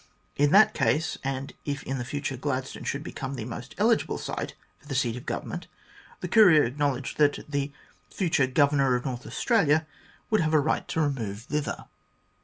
In that case, and if in the future Gladstone should become the most eligible site for the seat of Government, the Courier acknowledged that " the future Governor of Northern Aus tralia would have a right to remove thither."